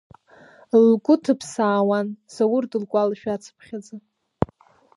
Лгәы ҭыԥсаауан Заур дылгәалашәа-цыԥхьаӡа.